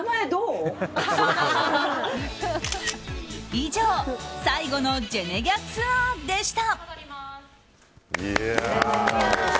以上、最後のジェネギャツアーでした。